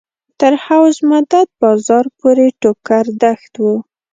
تر حوض مدد بازار پورې ټوکر دښت و.